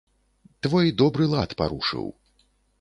Твой добры лад парушыў.